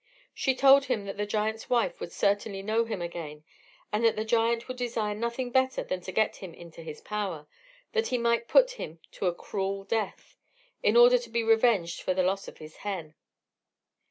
She told him that the giant's wife would certainly know him again, and that the giant would desire nothing better than to get him into his power, that he might put him to a cruel death, in order to be revenged for the loss of his hen.